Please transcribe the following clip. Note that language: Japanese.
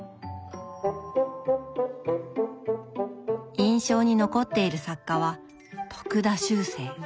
印象に残っている作家は徳田秋声。